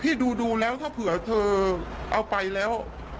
ที่ดูแล้วถ้าเผื่อเธอเอาไปแล้ว